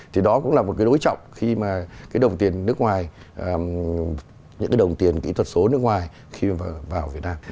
thì đó cũng là một đối trọng khi mà đồng tiền nước ngoài những đồng tiền kỹ thuật số nước ngoài khi mà vào việt nam